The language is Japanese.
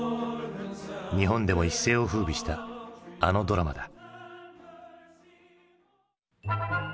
日本でも一世をふうびしたあのドラマだ。